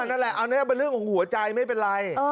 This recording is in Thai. นั่นแหละอันนี้เป็นเรื่องของหัวใจไม่เป็นไร